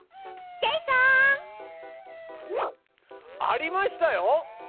ジェイソン！ありましたよ！